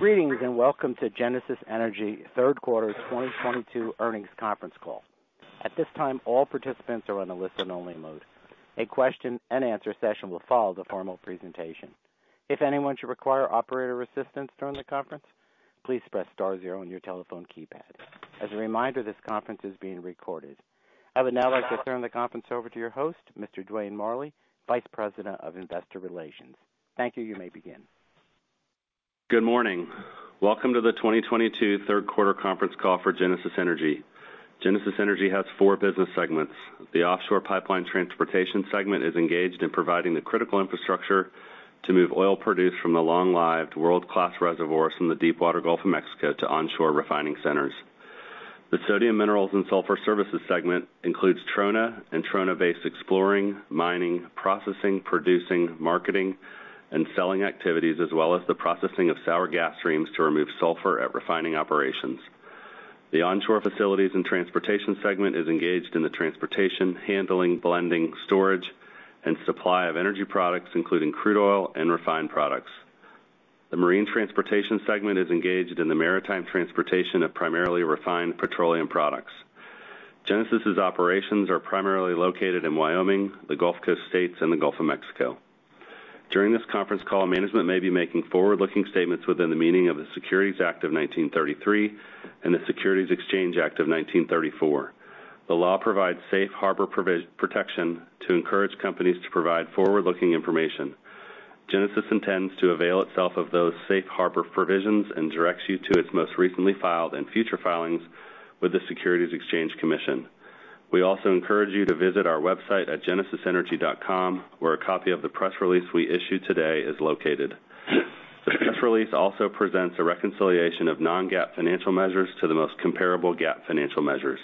Greetings, and welcome to Genesis Energy third quarter 2022 earnings conference call. At this time, all participants are on a listen only mode. A question-and-answer session will follow the formal presentation. If anyone should require operator assistance during the conference, please press star zero on your telephone keypad. As a reminder, this conference is being recorded. I would now like to turn the conference over to your host, Mr. Dwayne Morley, Vice President of Investor Relations. Thank you. You may begin. Good morning. Welcome to the 2022 third quarter conference call for Genesis Energy. Genesis Energy has four business segments. The Offshore Pipeline Transportation segment is engaged in providing the critical infrastructure to move oil produced from the long-lived world-class reservoirs from the deepwater Gulf of Mexico to onshore refining centers. The Sodium Minerals and Sulfur Services segment includes Trona and Trona-based exploring, mining, processing, producing, marketing, and selling activities, as well as the processing of sour gas streams to remove sulfur at refining operations. The Onshore Facilities and Transportation segment is engaged in the transportation, handling, blending, storage, and supply of energy products, including crude oil and refined products. The Marine Transportation segment is engaged in the maritime transportation of primarily refined petroleum products. Genesis' operations are primarily located in Wyoming, the Gulf Coast states, and the Gulf of Mexico. During this conference call, management may be making forward-looking statements within the meaning of the Securities Act of 1933 and the Securities Exchange Act of 1934. The law provides safe harbor protection to encourage companies to provide forward-looking information. Genesis intends to avail itself of those safe harbor provisions and directs you to its most recently filed and future filings with the Securities and Exchange Commission. We also encourage you to visit our website at genesisenergy.com, where a copy of the press release we issued today is located. The press release also presents a reconciliation of non-GAAP financial measures to the most comparable GAAP financial measures.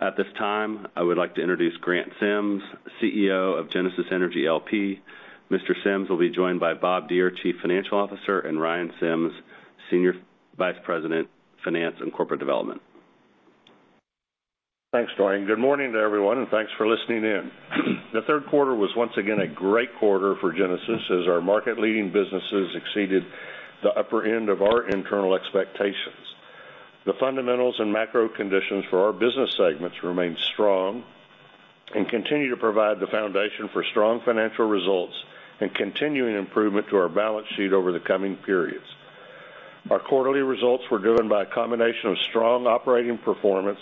At this time, I would like to introduce Grant Sims, CEO of Genesis Energy LP. Mr. Sims will be joined by Bob Deere, Chief Financial Officer, and Ryan Sims, Senior Vice President, Finance and Corporate Development. Thanks, Dwayne. Good morning to everyone, and thanks for listening in. The third quarter was once again a great quarter for Genesis as our market-leading businesses exceeded the upper end of our internal expectations. The fundamentals and macro conditions for our business segments remain strong and continue to provide the foundation for strong financial results and continuing improvement to our balance sheet over the coming periods. Our quarterly results were driven by a combination of strong operating performance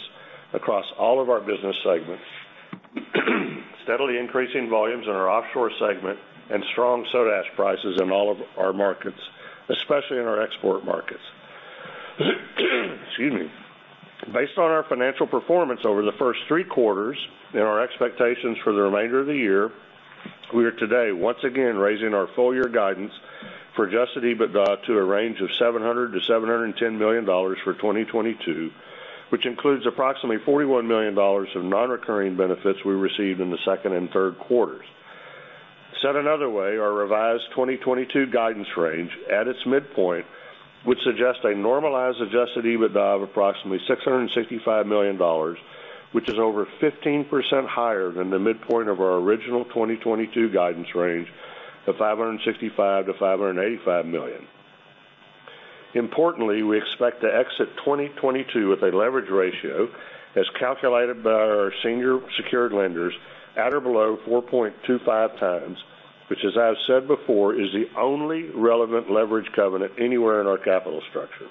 across all of our business segments, steadily increasing volumes in our offshore segment, and strong soda ash prices in all of our markets, especially in our export markets. Excuse me. Based on our financial performance over the first three quarters and our expectations for the remainder of the year, we are today once again raising our full year guidance for adjusted EBITDA to a range of $700 million-$710 million for 2022, which includes approximately $41 million of non-recurring benefits we received in the second and third quarters. Said another way, our revised 2022 guidance range at its midpoint would suggest a normalized adjusted EBITDA of approximately $665 million, which is over 15% higher than the midpoint of our original 2022 guidance range of $565 million-$585 million. Importantly, we expect to exit 2022 with a leverage ratio as calculated by our senior secured lenders at or below 4.25 times, which, as I've said before, is the only relevant leverage covenant anywhere in our capital structure.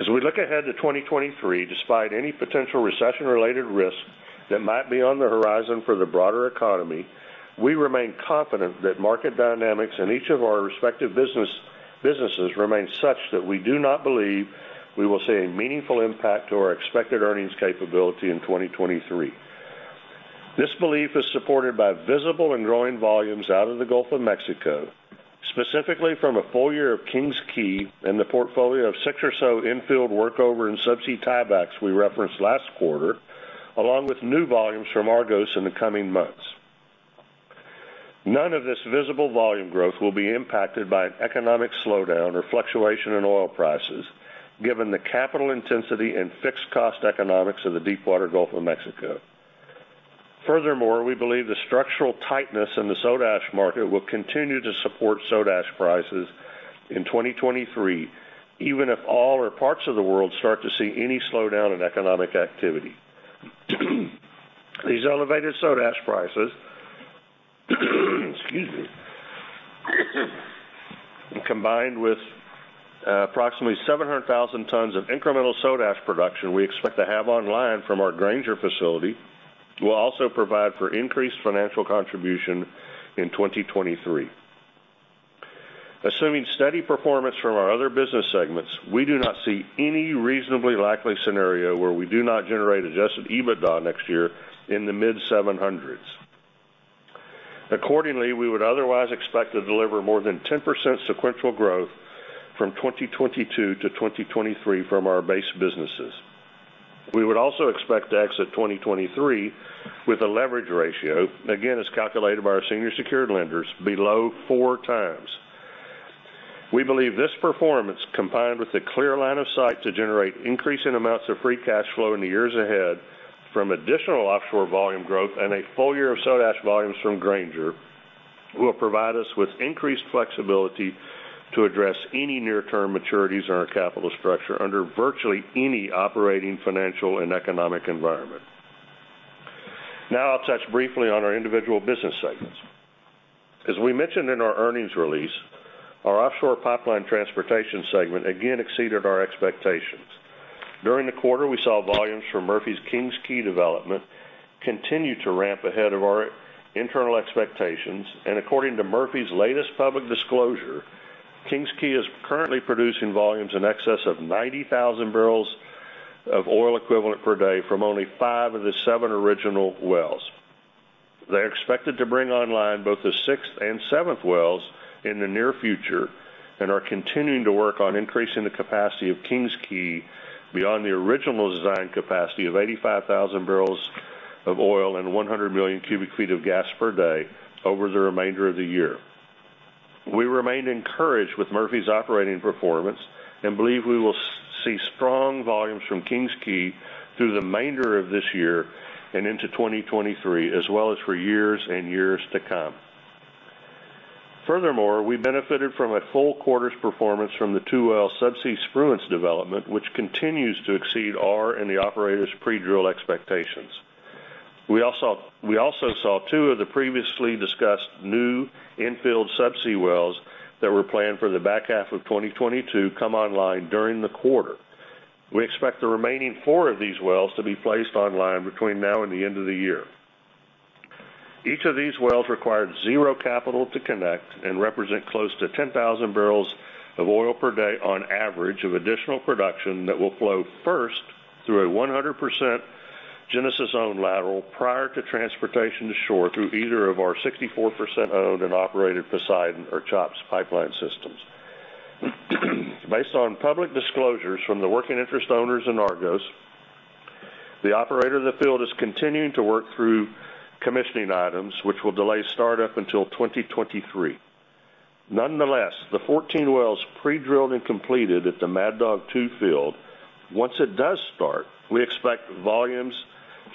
As we look ahead to 2023, despite any potential recession-related risk that might be on the horizon for the broader economy, we remain confident that market dynamics in each of our respective businesses remain such that we do not believe we will see a meaningful impact to our expected earnings capability in 2023. This belief is supported by visible and growing volumes out of the Gulf of Mexico, specifically from a full year of King's Quay and the portfolio of six or so infield workover and subsea tiebacks we referenced last quarter, along with new volumes from Argos in the coming months. None of this visible volume growth will be impacted by an economic slowdown or fluctuation in oil prices, given the capital intensity and fixed cost economics of the deepwater Gulf of Mexico. Furthermore, we believe the structural tightness in the soda ash market will continue to support soda ash prices in 2023, even if all or parts of the world start to see any slowdown in economic activity. These elevated soda ash prices, excuse me, combined with approximately 700,000 tons of incremental soda ash production we expect to have online from our Granger facility, will also provide for increased financial contribution in 2023. Assuming steady performance from our other business segments, we do not see any reasonably likely scenario where we do not generate adjusted EBITDA next year in the mid-700s. Accordingly, we would otherwise expect to deliver more than 10% sequential growth from 2022 to 2023 from our base businesses. We would also expect to exit 2023 with a leverage ratio, again, as calculated by our senior secured lenders, below 4x. We believe this performance, combined with a clear line of sight to generate increasing amounts of free cash flow in the years ahead from additional offshore volume growth and a full year of soda ash volumes from Granger will provide us with increased flexibility to address any near term maturities in our capital structure under virtually any operating financial and economic environment. Now I'll touch briefly on our individual business segments. As we mentioned in our earnings release, our offshore pipeline transportation segment again exceeded our expectations. During the quarter, we saw volumes from Murphy Oil's Kings Quay development continue to ramp ahead of our internal expectations. According to Murphy Oil's latest public disclosure, Kings Quay is currently producing volumes in excess of 90,000 barrels of oil equivalent per day from only five of the seven original wells. They're expected to bring online both the sixth and seventh wells in the near future and are continuing to work on increasing the capacity of Kings Quay beyond the original design capacity of 85,000 barrels of oil and 100 million cubic feet of gas per day over the remainder of the year. We remain encouraged with Murphy Oil's operating performance and believe we will see strong volumes from Kings Quay through the remainder of this year and into 2023, as well as for years and years to come. Furthermore, we benefited from a full quarter's performance from the two-well subsea Spruance development, which continues to exceed our and the operator's pre-drill expectations. We also saw two of the previously discussed new infill subsea wells that were planned for the back half of 2022 come online during the quarter. We expect the remaining four of these wells to be placed online between now and the end of the year. Each of these wells required zero capital to connect and represent close to 10,000 barrels of oil per day on average of additional production that will flow first through a 100% Genesis-owned lateral prior to transportation to shore through either of our 64% owned and operated Poseidon or CHOPS pipeline systems. Based on public disclosures from the working interest owners in Argos, the operator of the field is continuing to work through commissioning items which will delay start up until 2023. Nonetheless, the 14 wells pre-drilled and completed at the Mad Dog Two field, once it does start, we expect volumes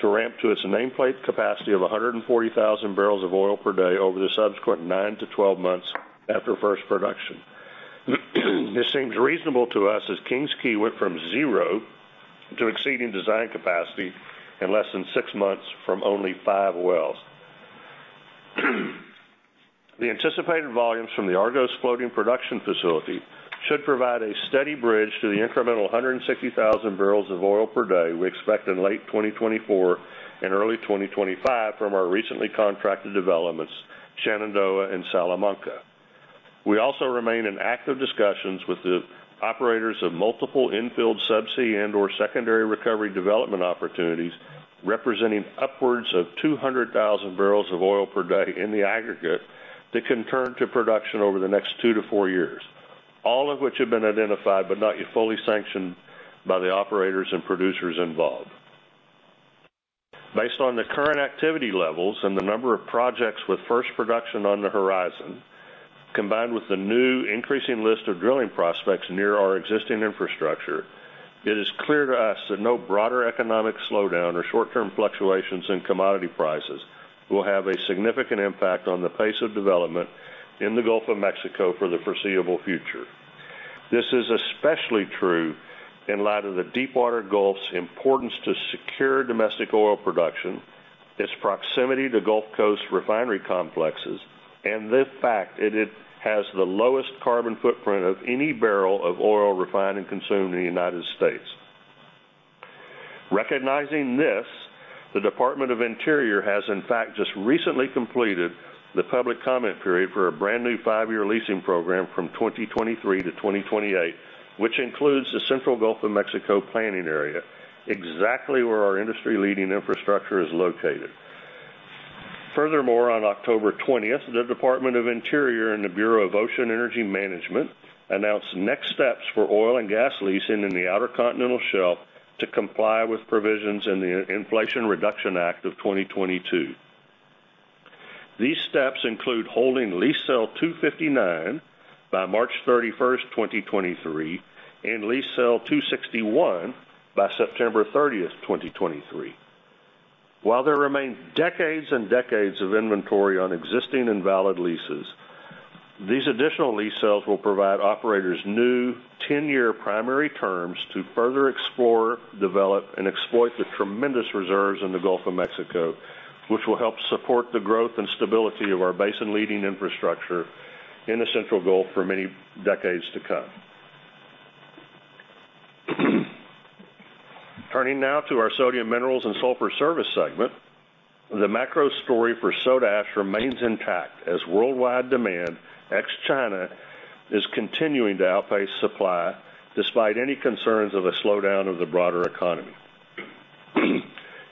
to ramp to its nameplate capacity of 140,000 barrels of oil per day over the subsequent 9-12 months after first production. This seems reasonable to us as Kings Quay went from zero to exceeding design capacity in less than six months from only five wells. The anticipated volumes from the Argos floating production facility should provide a steady bridge to the incremental 160,000 barrels of oil per day we expect in late 2024 and early 2025 from our recently contracted developments, Shenandoah and Salamanca. We also remain in active discussions with the operators of multiple in-field subsea and/or secondary recovery development opportunities representing upwards of 200,000 barrels of oil per day in the aggregate that can turn to production over the next 2-4 years, all of which have been identified but not yet fully sanctioned by the operators and producers involved. Based on the current activity levels and the number of projects with first production on the horizon, combined with the new increasing list of drilling prospects near our existing infrastructure, it is clear to us that no broader economic slowdown or short-term fluctuations in commodity prices will have a significant impact on the pace of development in the Gulf of Mexico for the foreseeable future. This is especially true in light of the Deepwater Gulf's importance to secure domestic oil production, its proximity to Gulf Coast refinery complexes, and the fact that it has the lowest carbon footprint of any barrel of oil refined and consumed in the United States. Recognizing this, the Department of the Interior has in fact just recently completed the public comment period for a brand new five-year leasing program from 2023 to 2028, which includes the Central Gulf of Mexico planning area, exactly where our industry-leading infrastructure is located. Furthermore, on October 20th, the Department of the Interior and the Bureau of Ocean Energy Management announced next steps for oil and gas leasing in the outer continental shelf to comply with provisions in the Inflation Reduction Act of 2022. These steps include holding Lease Sale 259 by March 31st, 2023, and Lease Sale 261 by September 30th, 2023. While there remain decades and decades of inventory on existing and valid leases, these additional lease sales will provide operators new ten-year primary terms to further explore, develop, and exploit the tremendous reserves in the Gulf of Mexico, which will help support the growth and stability of our basin-leading infrastructure in the Central Gulf for many decades to come. Turning now to our Sodium Minerals and Sulfur Services segment. The macro story for soda ash remains intact as worldwide demand, ex-China, is continuing to outpace supply despite any concerns of a slowdown of the broader economy.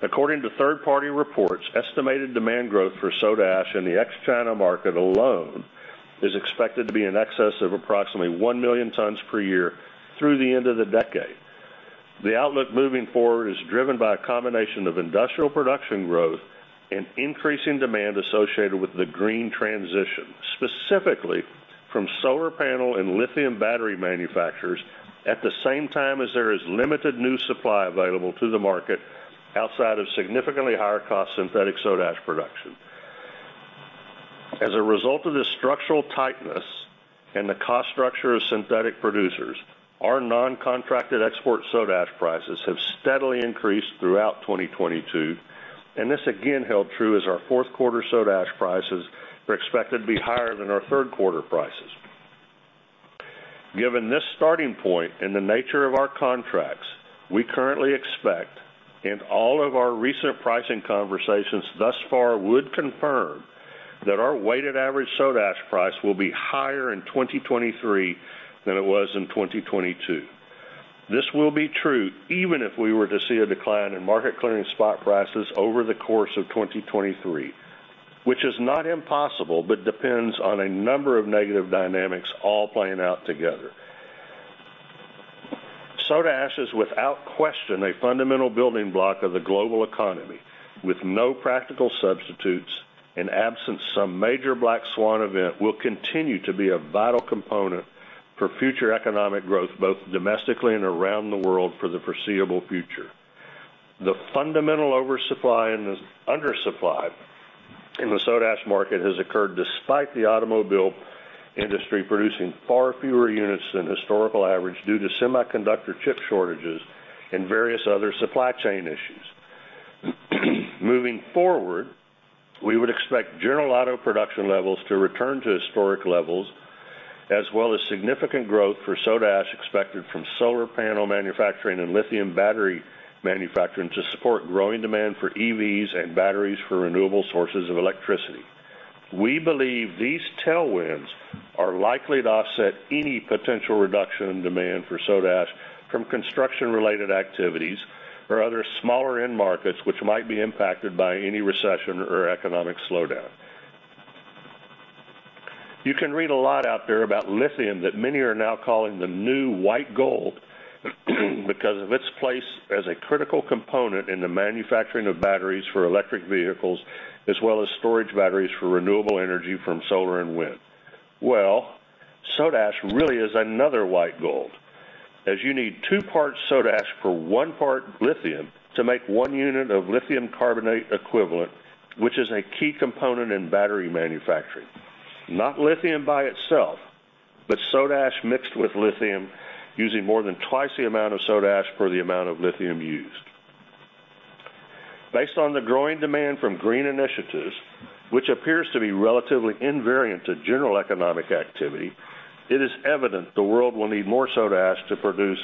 According to third-party reports, estimated demand growth for soda ash in the ex-China market alone is expected to be in excess of approximately 1 million tons per year through the end of the decade. The outlook moving forward is driven by a combination of industrial production growth. An increasing demand associated with the green transition, specifically from solar panel and lithium battery manufacturers, at the same time as there is limited new supply available to the market outside of significantly higher cost synthetic soda ash production. As a result of this structural tightness and the cost structure of synthetic producers, our non-contracted export soda ash prices have steadily increased throughout 2022, and this again held true as our fourth quarter soda ash prices are expected to be higher than our third quarter prices. Given this starting point and the nature of our contracts, we currently expect, and all of our recent pricing conversations thus far would confirm, that our weighted average soda ash price will be higher in 2023 than it was in 2022. This will be true even if we were to see a decline in market clearing spot prices over the course of 2023, which is not impossible but depends on a number of negative dynamics all playing out together. Soda ash is, without question, a fundamental building block of the global economy with no practical substitutes, and absent some major black swan event, will continue to be a vital component for future economic growth, both domestically and around the world for the foreseeable future. The fundamental oversupply and the undersupply in the soda ash market has occurred despite the automobile industry producing far fewer units than historical average due to semiconductor chip shortages and various other supply chain issues. Moving forward, we would expect general auto production levels to return to historic levels as well as significant growth for soda ash expected from solar panel manufacturing and lithium battery manufacturing to support growing demand for EVs and batteries for renewable sources of electricity. We believe these tailwinds are likely to offset any potential reduction in demand for soda ash from construction-related activities or other smaller end markets which might be impacted by any recession or economic slowdown. You can read a lot out there about lithium that many are now calling the new white gold because of its place as a critical component in the manufacturing of batteries for electric vehicles as well as storage batteries for renewable energy from solar and wind. Well, soda ash really is another white gold, as you need two parts soda ash per one part lithium to make one unit of lithium carbonate equivalent, which is a key component in battery manufacturing. Not lithium by itself, but soda ash mixed with lithium using more than twice the amount of soda ash per the amount of lithium used. Based on the growing demand from green initiatives, which appears to be relatively invariant to general economic activity, it is evident the world will need more soda ash to produce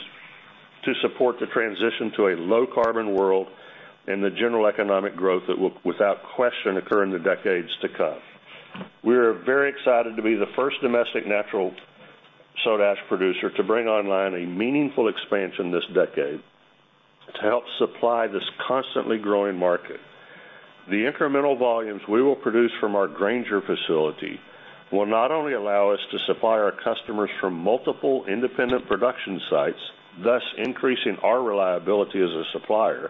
to support the transition to a low carbon world and the general economic growth that will, without question, occur in the decades to come. We are very excited to be the first domestic natural soda ash producer to bring online a meaningful expansion this decade to help supply this constantly growing market. The incremental volumes we will produce from our Granger facility will not only allow us to supply our customers from multiple independent production sites, thus increasing our reliability as a supplier,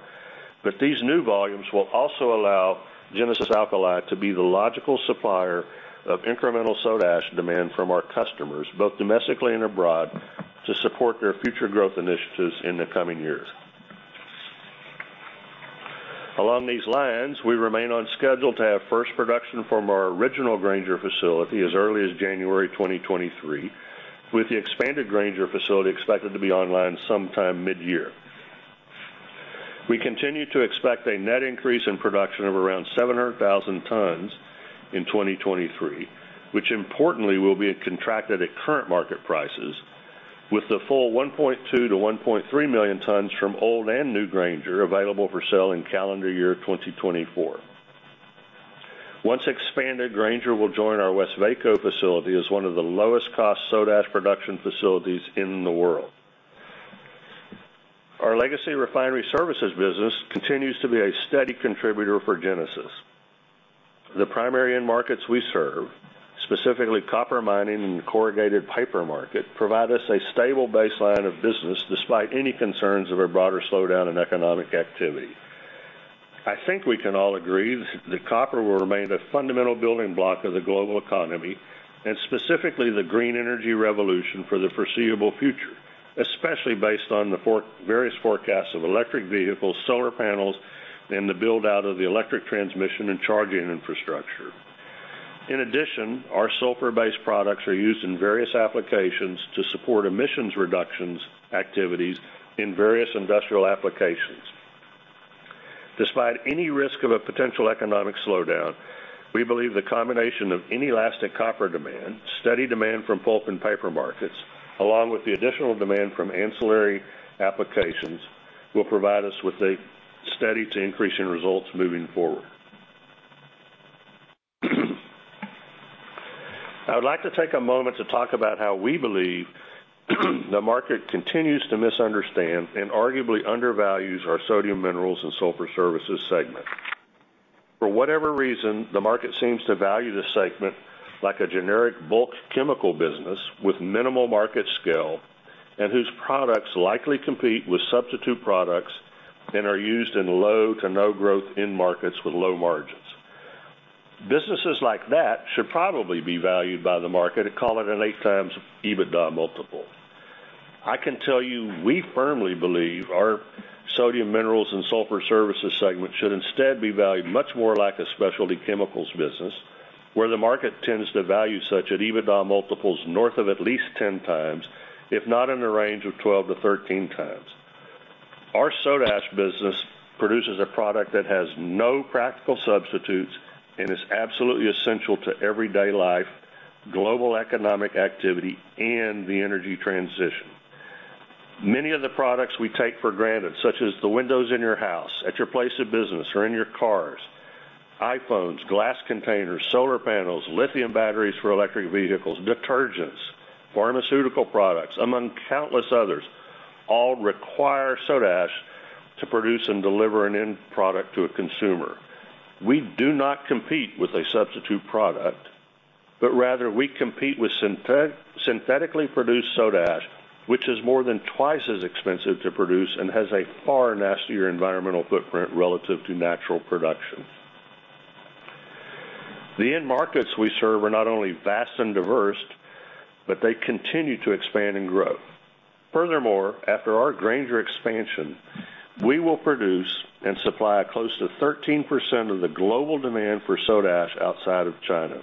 but these new volumes will also allow Genesis Alkali to be the logical supplier of incremental soda ash demand from our customers, both domestically and abroad, to support their future growth initiatives in the coming years. Along these lines, we remain on schedule to have first production from our original Granger facility as early as January 2023, with the expanded Granger facility expected to be online sometime mid-year. We continue to expect a net increase in production of around 700,000 tons in 2023, which importantly will be contracted at current market prices with the full 1.2-1.3 million tons from old and new Granger available for sale in calendar year 2024. Once expanded, Granger will join our Westvaco facility as one of the lowest cost soda ash production facilities in the world. Our legacy refinery services business continues to be a steady contributor for Genesis. The primary end markets we serve, specifically copper mining and corrugated paper market, provide us a stable baseline of business despite any concerns of a broader slowdown in economic activity. I think we can all agree that copper will remain a fundamental building block of the global economy and specifically the green energy revolution for the foreseeable future, especially based on the various forecasts of electric vehicles, solar panels, and the build-out of the electric transmission and charging infrastructure. In addition, our sulfur-based products are used in various applications to support emissions reductions activities in various industrial applications. Despite any risk of a potential economic slowdown, we believe the combination of inelastic copper demand, steady demand from pulp and paper markets, along with the additional demand from ancillary applications, will provide us with a steady to increasing results moving forward. I would like to take a moment to talk about how we believe the market continues to misunderstand and arguably undervalues our Sodium Minerals and Sulfur Services segment. For whatever reason, the market seems to value this segment like a generic bulk chemical business with minimal market scale and whose products likely compete with substitute products and are used in low to no growth end markets with low margins. Businesses like that should probably be valued by the market at, call it, an 8x EBITDA multiple. I can tell you, we firmly believe our Sodium Minerals and Sulfur Services segment should instead be valued much more like a specialty chemicals business, where the market tends to value such at EBITDA multiples north of at least 10x, if not in the range of 12x-13x. Our soda ash business produces a product that has no practical substitutes and is absolutely essential to everyday life, global economic activity, and the energy transition. Many of the products we take for granted, such as the windows in your house, at your place of business or in your cars, iPhones, glass containers, solar panels, lithium batteries for electric vehicles, detergents, pharmaceutical products, among countless others, all require soda ash to produce and deliver an end product to a consumer. We do not compete with a substitute product, but rather we compete with synthetically produced soda ash, which is more than twice as expensive to produce and has a far nastier environmental footprint relative to natural production. The end markets we serve are not only vast and diverse, but they continue to expand and grow. Furthermore, after our Granger expansion, we will produce and supply close to 13% of the global demand for soda ash outside of China.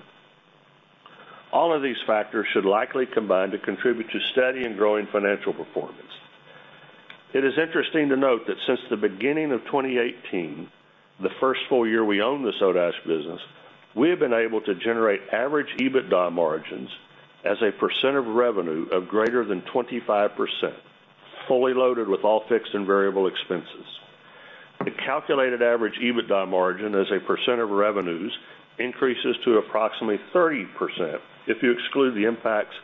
All of these factors should likely combine to contribute to steady and growing financial performance. It is interesting to note that since the beginning of 2018, the first full year we owned the soda ash business, we have been able to generate average EBITDA margins as a percent of revenue of greater than 25%, fully loaded with all fixed and variable expenses. The calculated average EBITDA margin as a percent of revenues increases to approximately 30% if you exclude the impacts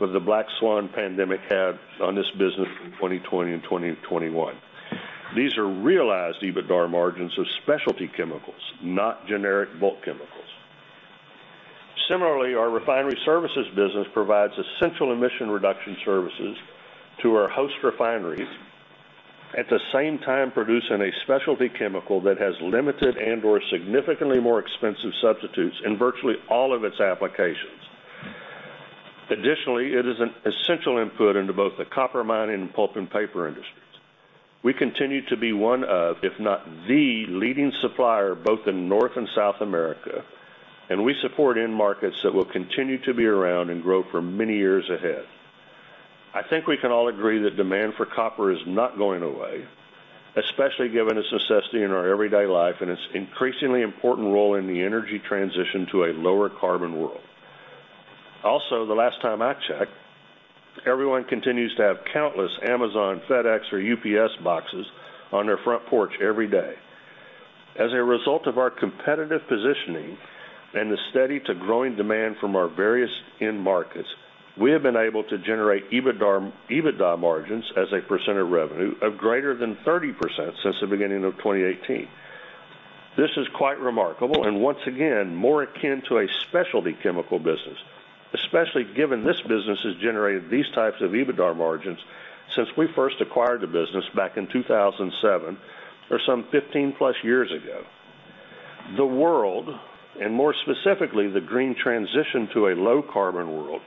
that the black swan pandemic had on this business in 2020 and 2021. These are realized EBITDA margins of specialty chemicals, not generic bulk chemicals. Similarly, our refinery services business provides essential emission reduction services to our host refineries, at the same time producing a specialty chemical that has limited and/or significantly more expensive substitutes in virtually all of its applications. Additionally, it is an essential input into both the copper mining and pulp and paper industries. We continue to be one of, if not the leading supplier both in North and South America, and we support end markets that will continue to be around and grow for many years ahead. I think we can all agree that demand for copper is not going away, especially given its necessity in our everyday life and its increasingly important role in the energy transition to a lower carbon world. Also, the last time I checked, everyone continues to have countless Amazon, FedEx, or UPS boxes on their front porch every day. As a result of our competitive positioning and the steady to growing demand from our various end markets, we have been able to generate EBITDA margins as a percent of revenue of greater than 30% since the beginning of 2018. This is quite remarkable, and once again, more akin to a specialty chemical business, especially given this business has generated these types of EBITDA margins since we first acquired the business back in 2007, or some 15+ years ago. The world, and more specifically, the green transition to a low carbon world,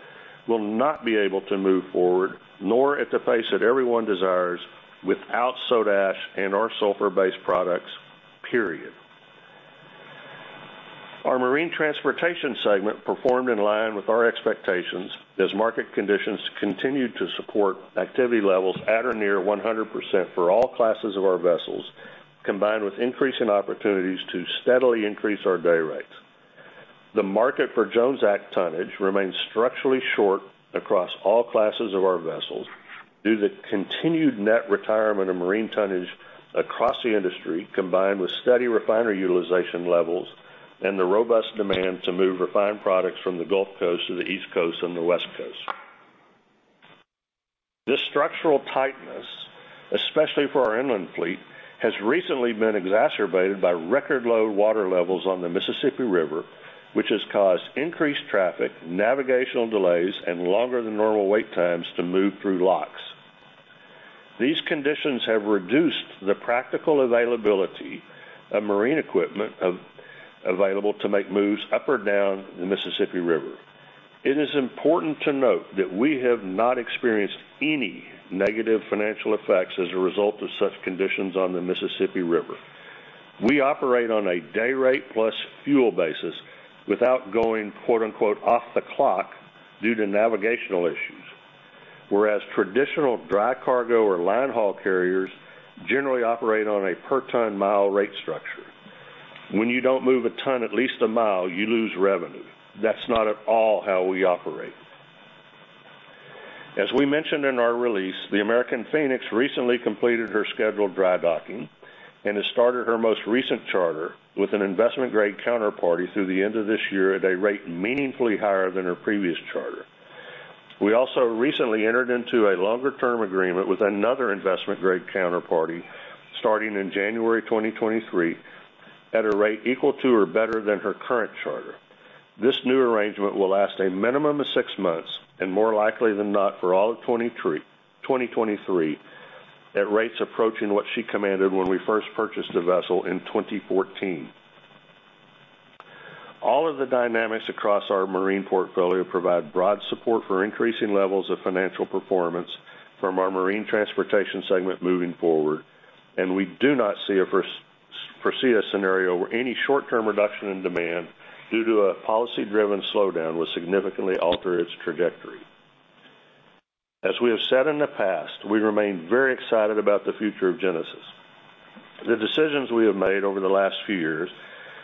will not be able to move forward, nor at the pace that everyone desires, without soda ash and our sulfur-based products, period. Our marine transportation segment performed in line with our expectations as market conditions continued to support activity levels at or near 100% for all classes of our vessels, combined with increasing opportunities to steadily increase our day rates. The market for Jones Act tonnage remains structurally short across all classes of our vessels due to continued net retirement of marine tonnage across the industry, combined with steady refiner utilization levels and the robust demand to move refined products from the Gulf Coast to the East Coast and the West Coast. This structural tightness, especially for our inland fleet, has recently been exacerbated by record low water levels on the Mississippi River, which has caused increased traffic, navigational delays, and longer than normal wait times to move through locks. These conditions have reduced the practical availability of marine equipment available to make moves up or down the Mississippi River. It is important to note that we have not experienced any negative financial effects as a result of such conditions on the Mississippi River. We operate on a day rate plus fuel basis without going, quote-unquote, "off the clock" due to navigational issues, whereas traditional dry cargo or line haul carriers generally operate on a per ton mile rate structure. When you don't move a ton at least a mile, you lose revenue. That's not at all how we operate. As we mentioned in our release, the American Phoenix recently completed her scheduled dry docking and has started her most recent charter with an investment-grade counterparty through the end of this year at a rate meaningfully higher than her previous charter. We also recently entered into a longer term agreement with another investment-grade counterparty starting in January 2023 at a rate equal to or better than her current charter. This new arrangement will last a minimum of six months and more likely than not for all of 2023 at rates approaching what she commanded when we first purchased the vessel in 2014. All of the dynamics across our marine portfolio provide broad support for increasing levels of financial performance from our Marine Transportation segment moving forward, and we do not see a foresee a scenario where any short-term reduction in demand due to a policy-driven slowdown will significantly alter its trajectory. As we have said in the past, we remain very excited about the future of Genesis. The decisions we have made over the last few years,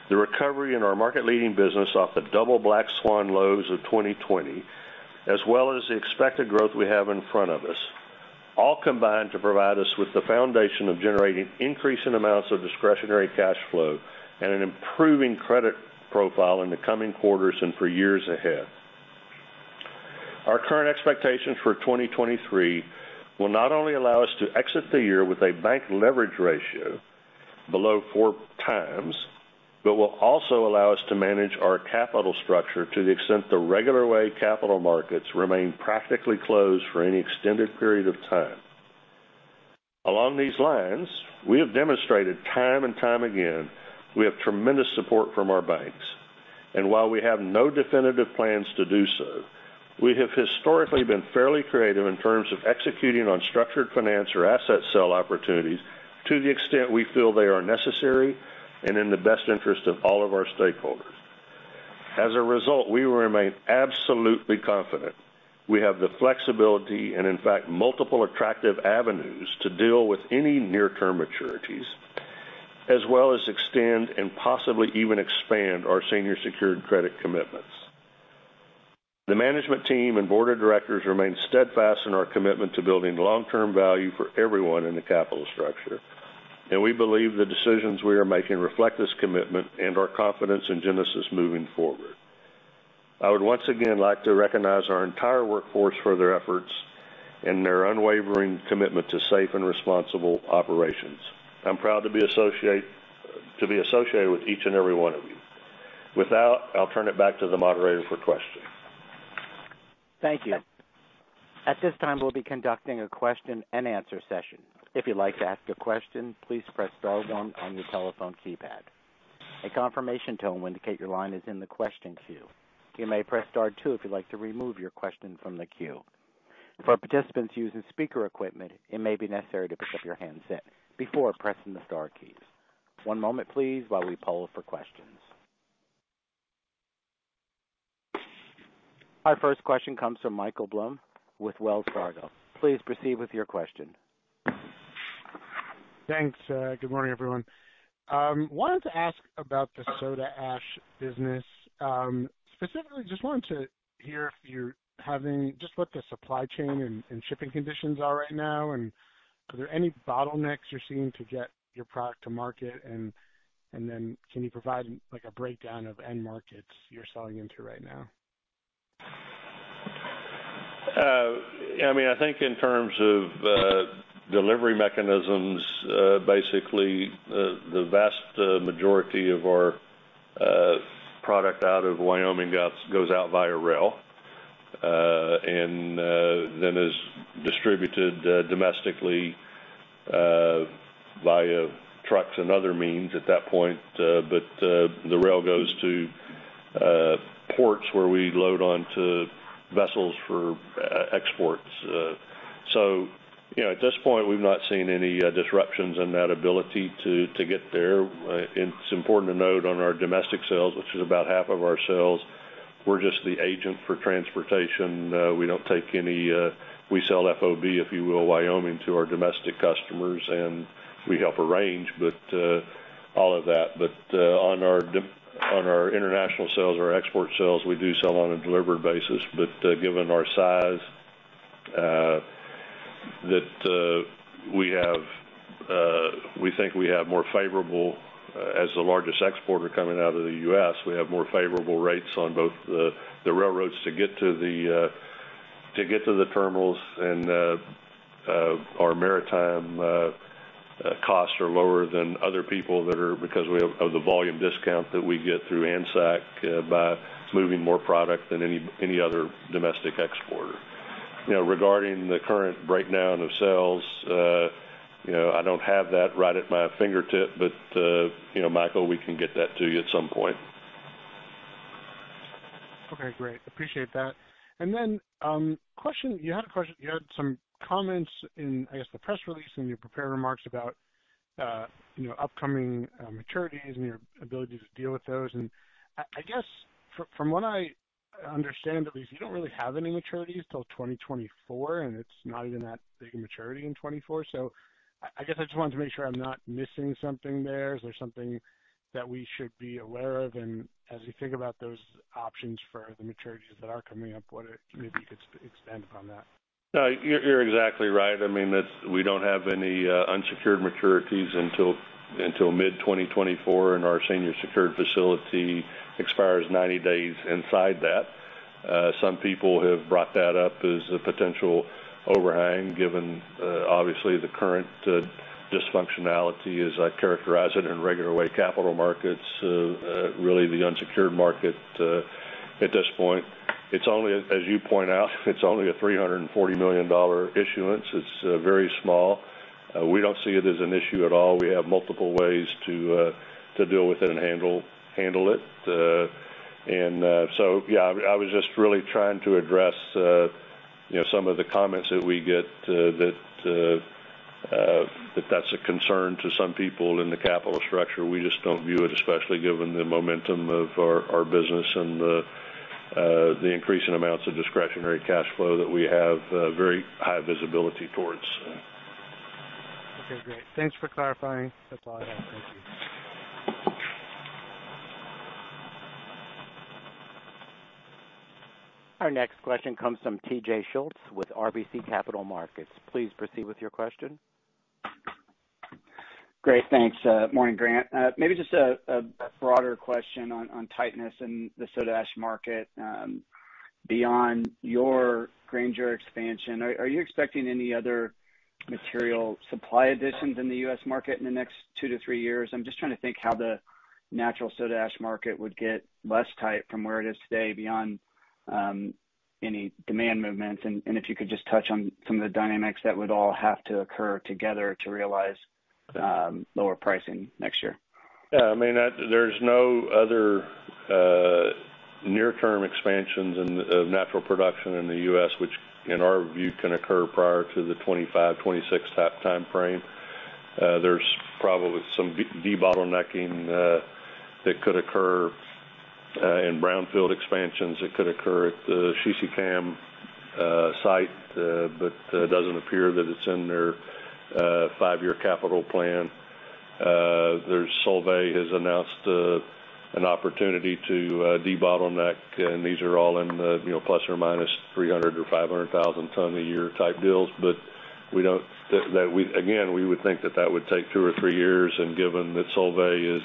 the recovery in our market-leading business off the double black swan lows of 2020, as well as the expected growth we have in front of us, all combine to provide us with the foundation of generating increasing amounts of discretionary cash flow and an improving credit profile in the coming quarters and for years ahead. Our current expectations for 2023 will not only allow us to exit the year with a bank leverage ratio below 4x, but will also allow us to manage our capital structure to the extent the regular way capital markets remain practically closed for any extended period of time. Along these lines, we have demonstrated time and time again we have tremendous support from our banks. While we have no definitive plans to do so, we have historically been fairly creative in terms of executing on structured finance or asset sale opportunities to the extent we feel they are necessary and in the best interest of all of our stakeholders. As a result, we remain absolutely confident we have the flexibility and in fact, multiple attractive avenues to deal with any near-term maturities as well as extend and possibly even expand our senior secured credit commitments. The management team and board of directors remain steadfast in our commitment to building long-term value for everyone in the capital structure, and we believe the decisions we are making reflect this commitment and our confidence in Genesis moving forward. I would once again like to recognize our entire workforce for their efforts and their unwavering commitment to safe and responsible operations. I'm proud to be associated with each and every one of you. With that, I'll turn it back to the moderator for questions. Thank you. At this time, we'll be conducting a question-and-answer session. If you'd like to ask a question, please press star one on your telephone keypad. A confirmation tone will indicate your line is in the question queue. You may press star two if you'd like to remove your question from the queue. For participants using speaker equipment, it may be necessary to pick up your handset before pressing the star keys. One moment please while we poll for questions. Our first question comes from Michael Blum with Wells Fargo. Please proceed with your question. Thanks. Good morning, everyone. Wanted to ask about the soda ash business. Specifically, wanted to hear what the supply chain and shipping conditions are right now, and are there any bottlenecks you're seeing to get your product to market? Can you provide like a breakdown of end markets you're selling into right now? I mean, I think in terms of delivery mechanisms, basically the vast majority of our product out of Wyoming goes out via rail, and then is distributed domestically via trucks and other means at that point. The rail goes to ports where we load onto vessels for exports. You know, at this point, we've not seen any disruptions in that ability to get there. It's important to note on our domestic sales, which is about half of our sales, we're just the agent for transportation. We don't take any, we sell FOB, if you will, Wyoming to our domestic customers, and we help arrange, but all of that. On our international sales or export sales, we do sell on a delivered basis. Given our size, we think we have more favorable, as the largest exporter coming out of the U.S., we have more favorable rates on both the railroads to get to the terminals and our maritime costs are lower than other people that are because we have of the volume discount that we get through ANSAC by moving more product than any other domestic exporter. You know, regarding the current breakdown of sales, you know, I don't have that right at my fingertips, but you know, Michael, we can get that to you at some point. Okay, great. Appreciate that. You had some comments in the press release and your prepared remarks about you know upcoming maturities and your ability to deal with those. I guess from what I understand at least, you don't really have any maturities till 2024, and it's not even that big a maturity in 2024. I guess I just wanted to make sure I'm not missing something there. Is there something that we should be aware of? As you think about those options for the maturities that are coming up, what maybe you could expand upon that? You're exactly right. I mean, it's we don't have any unsecured maturities until mid-2024, and our senior secured facility expires 90 days inside that. Some people have brought that up as a potential overhang, given obviously the current dysfunctionality, as I characterize it, in regular way capital markets, really the unsecured market at this point. It's only, as you point out, it's only a $340 million issuance. It's very small. We don't see it as an issue at all. We have multiple ways to deal with it and handle it. Yeah, I was just really trying to address you know some of the comments that we get that that's a concern to some people in the capital structure. We just don't view it, especially given the momentum of our business and the increasing amounts of discretionary cash flow that we have very high visibility towards. Okay, great. Thanks for clarifying. That's all I have. Thank you. Our next question comes from TJ Schultz with RBC Capital Markets. Please proceed with your question. Great. Thanks. Morning, Grant. Maybe just a broader question on tightness in the soda ash market, beyond your Granger expansion. Are you expecting any other material supply additions in the U.S. market in the next 2-3 years? I'm just trying to think how the natural soda ash market would get less tight from where it is today beyond any demand movements. If you could just touch on some of the dynamics that would all have to occur together to realize lower pricing next year. Yeah, I mean, there's no other near-term expansions of natural production in the U.S., which in our view, can occur prior to the 2025-2026 timeframe. There's probably some de-bottlenecking that could occur in brownfield expansions that could occur at the Sisecam site, but it doesn't appear that it's in their five-year capital plan. Solvay has announced an opportunity to de-bottleneck, and these are all in the, you know, ±300 or 500 thousand ton a year type deals. But that, again, we would think that that would take two or three years. Given that Solvay is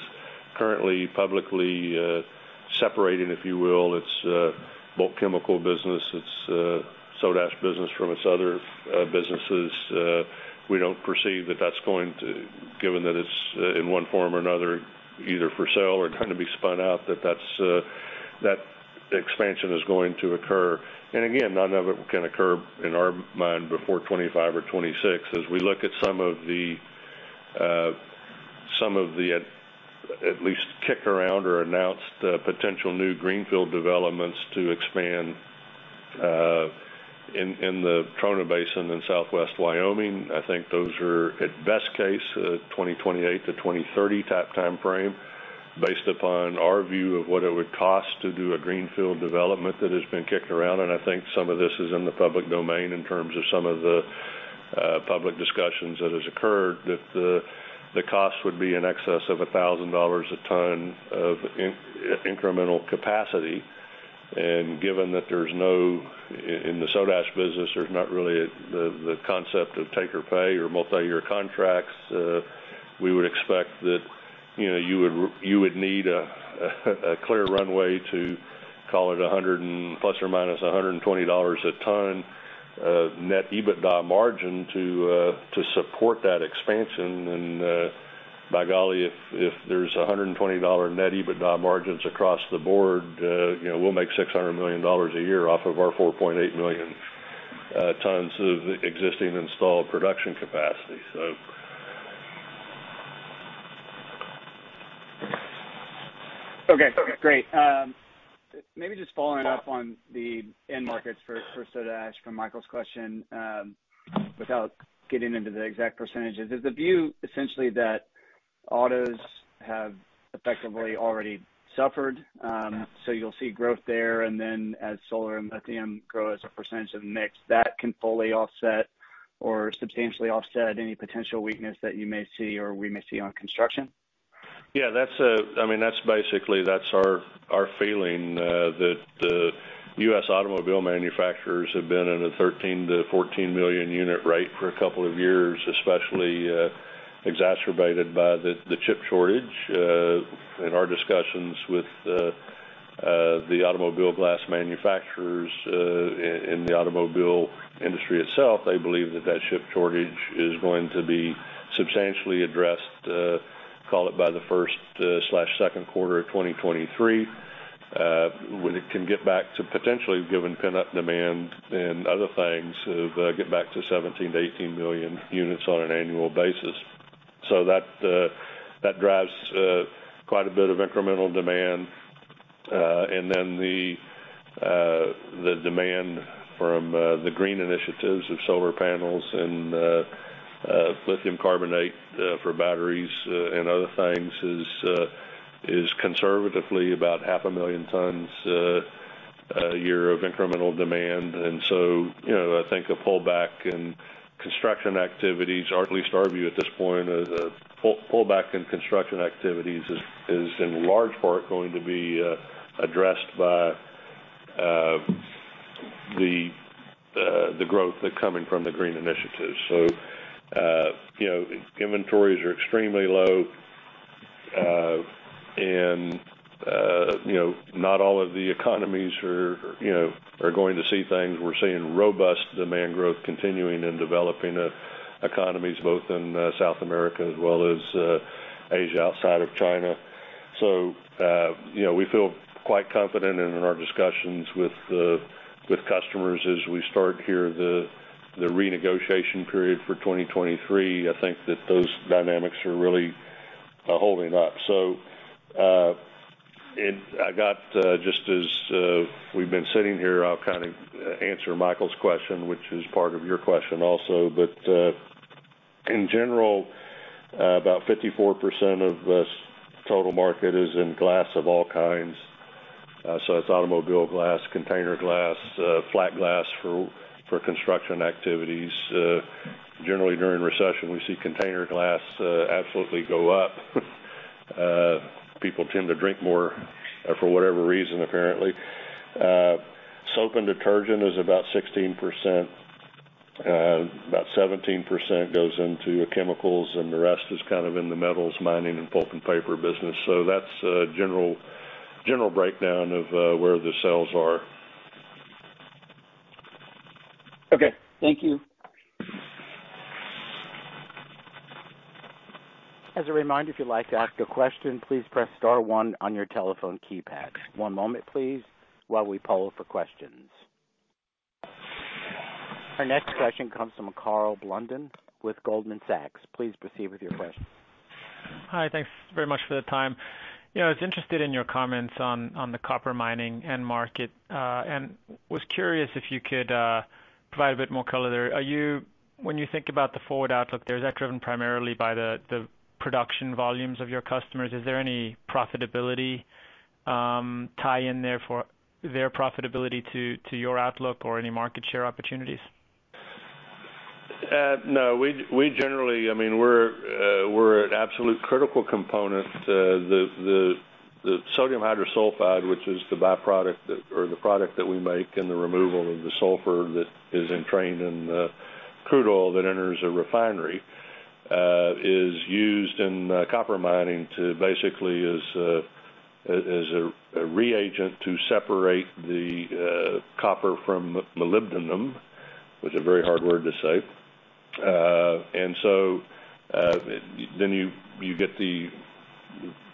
currently publicly separating, if you will, its bulk chemical business, its soda ash business from its other businesses, we don't perceive that that's going to occur given that it's in one form or another, either for sale or going to be spun out, that expansion is going to occur. Again, none of it can occur in our mind before 2025 or 2026. As we look at some of the at least kicked around or announced potential new greenfield developments to expand in the Trona Basin in Southwest Wyoming, I think those are at best case 2028-2030 type timeframe based upon our view of what it would cost to do a greenfield development that has been kicked around. I think some of this is in the public domain in terms of some of the public discussions that has occurred, that the cost would be in excess of $1,000 a ton of incremental capacity. Given that in the soda ash business, there's not really the concept of take or pay or multi-year contracts, we would expect that, you know, you would need a clear runway to call it 100 ±120 dollars a ton of net EBITDA margin to support that expansion. By golly, if there's a 120-dollar net EBITDA margins across the board, you know, we'll make $600 million a year off of our 4.8 million tons of existing installed production capacity. Okay. Great. Maybe just following up on the end markets for soda ash from Michael's question, without getting into the exact percentages. Is the view essentially that autos have effectively already suffered, so you'll see growth there and then as solar and lithium grow as a percentage of the mix, that can fully offset or substantially offset any potential weakness that you may see or we may see on construction? Yeah, that's, I mean, that's basically, that's our feeling that the US automobile manufacturers have been in a 13-14 million unit rate for a couple of years, especially exacerbated by the chip shortage. In our discussions with the automobile glass manufacturers, in the automobile industry itself, they believe that the chip shortage is going to be substantially addressed, call it by the first/second quarter of 2023, when it can get back to potentially given pent-up demand and other things of getting back to 17-18 million units on an annual basis. That drives quite a bit of incremental demand. The demand from the green initiatives of solar panels and lithium carbonate for batteries and other things is conservatively about 500,000 tons a year of incremental demand. You know, I think a pullback in construction activities, or at least our view at this point, is in large part going to be addressed by the growth coming from the green initiatives. You know, inventories are extremely low. Not all of the economies are, you know, going to see things. We're seeing robust demand growth continuing in developing economies both in South America as well as Asia outside of China. You know, we feel quite confident in our discussions with customers as we start here the renegotiation period for 2023. I think that those dynamics are really holding up. I got just as we've been sitting here, I'll kind of answer Michael's question, which is part of your question also. In general, about 54% of this total market is in glass of all kinds. It's automobile glass, container glass, flat glass for construction activities. Generally during recession, we see container glass absolutely go up. People tend to drink more for whatever reason, apparently. Soap and detergent is about 16%. About 17% goes into chemicals, and the rest is kind of in the metals, mining, and pulp and paper business. That's a general breakdown of where the sales are. Okay, thank you. As a reminder, if you'd like to ask a question, please press star one on your telephone keypad. One moment, please, while we poll for questions. Our next question comes from Karl Blunden with Goldman Sachs. Please proceed with your question. Hi. Thanks very much for the time. You know, I was interested in your comments on the copper mining end market and was curious if you could provide a bit more color there. When you think about the forward outlook there, is that driven primarily by the production volumes of your customers? Is there any profitability tie in there for their profitability to your outlook or any market share opportunities? No. We generally I mean, we're an absolutely critical component to the sodium hydrosulfide, which is the byproduct or the product that we make, and the removal of the sulfur that is entrained in the crude oil that enters a refinery is used in copper mining basically as a reagent to separate the copper from molybdenum. That's a very hard word to say.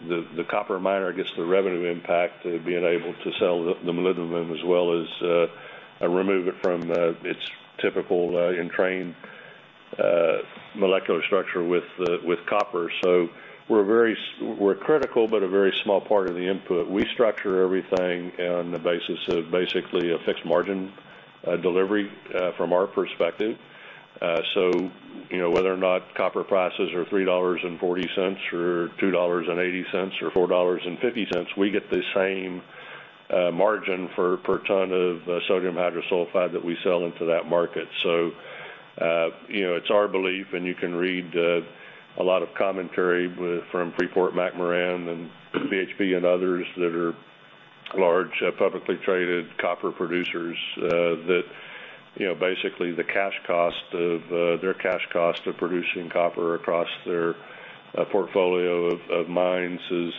The copper miner gets the revenue impact to being able to sell the molybdenum as well as remove it from its typical entrained molecular structure with copper. We're very critical, but a very small part of the input. We structure everything on the basis of basically a fixed margin delivery from our perspective. You know, whether or not copper prices are $3.40 or $2.80 or $4.50, we get the same margin per ton of sodium hydrosulfide that we sell into that market. You know, it's our belief, and you can read a lot of commentary from Freeport-McMoRan and BHP and others that are large publicly traded copper producers, that, you know, basically the cash cost of their cash cost of producing copper across their portfolio of mines is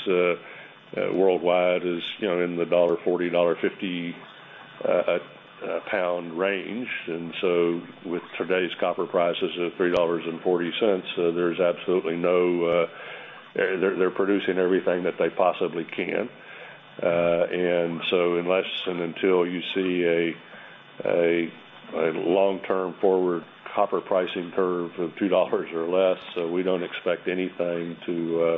worldwide, is, you know, in the $1.40, $1.50 pound range. With today's copper prices of $3.40, there's absolutely no. They're producing everything that they possibly can. Unless and until you see a long-term forward copper pricing curve of $2 or less, we don't expect anything to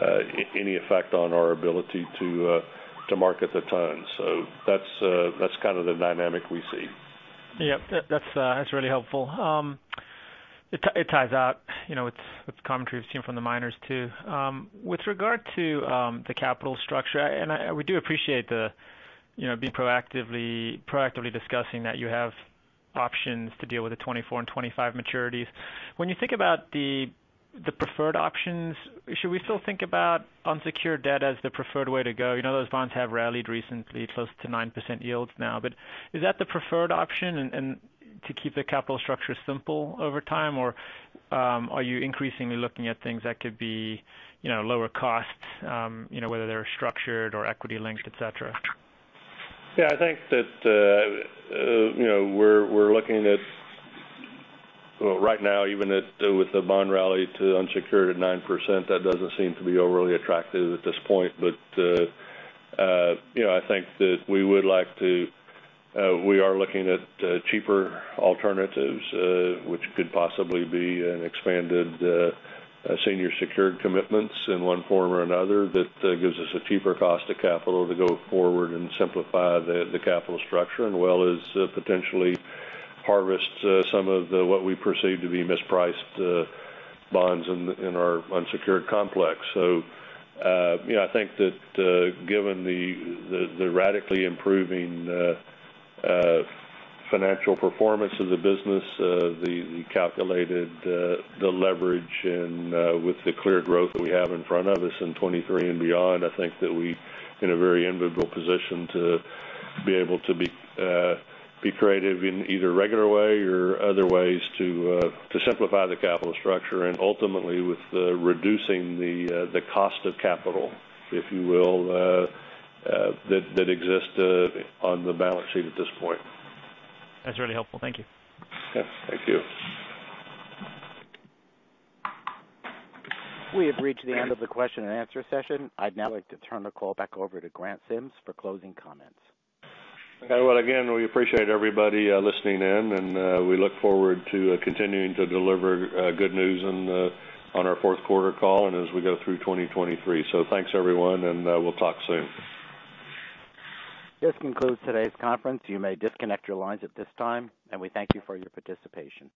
have any effect on our ability to market the ton. That's kind of the dynamic we see. Yeah. That's really helpful. It ties out, you know, with the commentary we've seen from the miners, too. With regard to the capital structure, we do appreciate the, you know, being proactively discussing that you have options to deal with the 2024 and 2025 maturities. When you think about the preferred options, should we still think about unsecured debt as the preferred way to go? You know, those bonds have rallied recently, close to 9% yields now. Is that the preferred option and to keep the capital structure simple over time, or are you increasingly looking at things that could be, you know, lower cost, you know, whether they're structured or equity linked, et cetera? Yeah, I think that you know we're looking at. Well, right now, even with the bond rally, the unsecured at 9%, that doesn't seem to be overly attractive at this point. You know, we are looking at cheaper alternatives, which could possibly be an expanded senior secured commitments in one form or another that gives us a cheaper cost of capital to go forward and simplify the capital structure as well as potentially harvest some of what we perceive to be mispriced bonds in our unsecured complex. You know, I think that, given the radically improving financial performance of the business, the calculated leverage and with the clear growth that we have in front of us in 2023 and beyond, I think that we're in a very enviable position to be able to be creative in either regular way or other ways to simplify the capital structure and ultimately with reducing the cost of capital, if you will, that exists on the balance sheet at this point. That's really helpful. Thank you. Yeah. Thank you. We have reached the end of the question and answer session. I'd now like to turn the call back over to Grant Sims for closing comments. Okay. Well, again, we appreciate everybody listening in, and we look forward to continuing to deliver good news on our fourth quarter call and as we go through 2023. Thanks, everyone, and we'll talk soon. This concludes today's conference. You may disconnect your lines at this time, and we thank you for your participation.